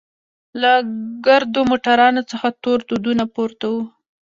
له ګردو موټرانو څخه تور دودونه پورته وو.